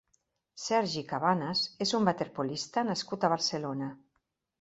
Sergi Cabanas és un waterpolista nascut a Barcelona.